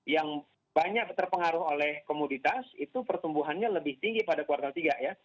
yang banyak terpengaruh oleh komoditas itu pertumbuhannya lebih tinggi pada kuartal tiga ya